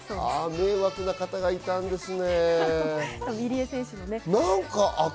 迷惑な方がいたんですね。